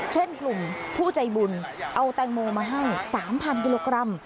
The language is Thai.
เช่นกลุ่มผู้ใจบุญเอาแตงโมมาให้๓๐๐กิโลกรัม